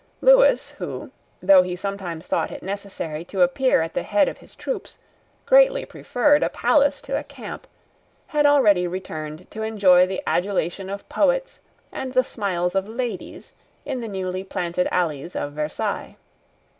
Lewis, who, though he sometimes thought it necessary to appear at the head of his troops, greatly preferred a palace to a camp, had already returned to enjoy the adulation of poets and the smiles of ladies in the newly planted alleys of Versailles.